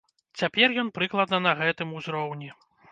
Цяпер ён прыкладна на гэтым узроўні.